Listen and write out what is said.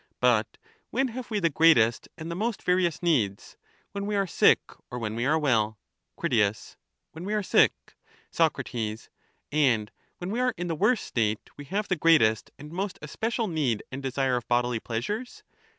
But when have we better, con?" tion than dis the greatest and the most various needs, when we are sick or ease, and it when we are well? needs less. Crit. When we are sick. Soc. And when we are in the worst state we have the greatest and most especial need and desire of bodily pleasures